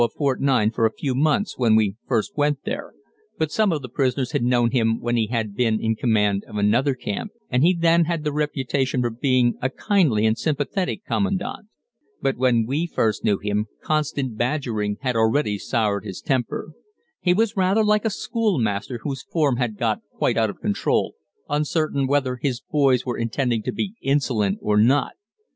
of Fort 9 for a few months when we first went there, but some of the prisoners had known him when he had been in command of another camp, and he then had the reputation for being a kindly and sympathetic commandant. But when we first knew him constant badgering had already soured his temper. He was rather like a schoolmaster whose form has got quite out of control, uncertain whether his boys were intending to be insolent or not.